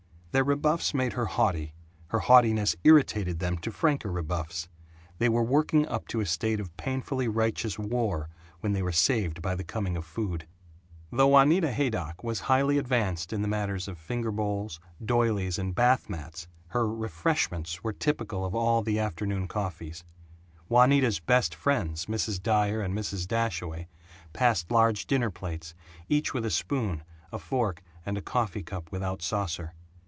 Their rebuffs made her haughty; her haughtiness irritated them to franker rebuffs; they were working up to a state of painfully righteous war when they were saved by the coming of food. Though Juanita Haydock was highly advanced in the matters of finger bowls, doilies, and bath mats, her "refreshments" were typical of all the afternoon coffees. Juanita's best friends, Mrs. Dyer and Mrs. Dashaway, passed large dinner plates, each with a spoon, a fork, and a coffee cup without saucer.